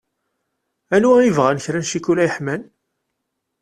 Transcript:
Anwa i yebɣan kra n cikula yeḥman.